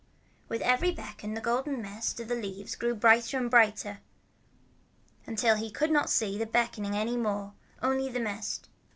With every beckon the golden mist of leaves grew brighter and brighter, until he could not see the beckoning any more, but only the mist.